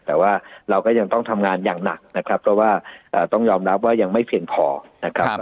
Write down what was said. แต่ว่าเราก็ยังต้องทำงานอย่างหนักนะครับเพราะว่าต้องยอมรับว่ายังไม่เพียงพอนะครับ